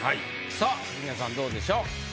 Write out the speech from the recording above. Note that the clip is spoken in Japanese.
さあジュニアさんどうでしょう？